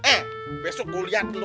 eh besok kuliahan lo